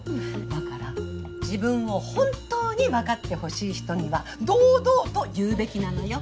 だから自分を本当に分かってほしい人には堂々と言うべきなのよ。